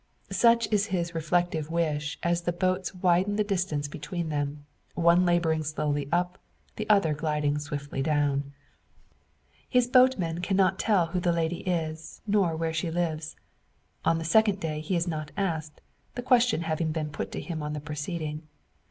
Such is his reflective wish as the boats widen the distance between; one labouring slowly up, the other gliding swiftly down. His boatman cannot tell who the lady is, nor where she lives. On the second day he is not asked the question having been put to him on that preceding.